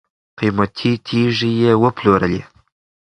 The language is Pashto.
قیمتي تیږي یې وپلورلې.